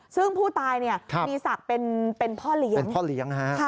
ซึ่งผู้ตายมีศักดิ์เป็นพ่อเลี้ยง